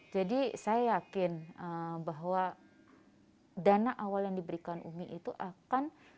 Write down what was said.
jadi saya yakin bahwa dana awal yang diberikan umi itu akan